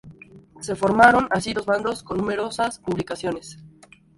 Se formaron así dos bandos, con numerosas publicaciones.